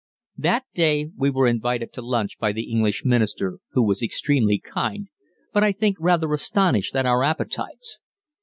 That day we were invited to lunch by the English Minister, who was extremely kind, but I think rather astonished at our appetites.